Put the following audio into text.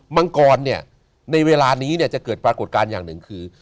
มังกรในเวลานี้จะเกิดปรากฏการณ์อย่างหนึ่งคือ